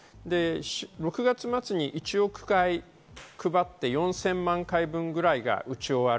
９月末に１億回分配って、４０００万回分くらいが打ち終わる。